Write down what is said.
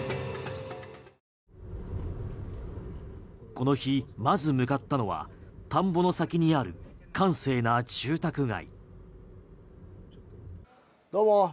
この日、まず向かったのは田んぼの先にある閑静な住宅街。